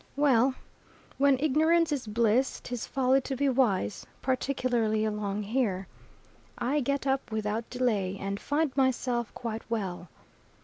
Well "when ignorance is bliss 'tis folly to be wise," particularly along here. I get up without delay, and find myself quite well.